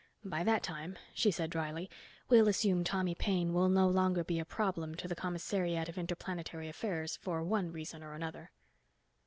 By that time," she said dryly, "we'll assume Tommy Paine will no longer be a problem to the Commissariat of Interplanetary Affairs for one reason or the other."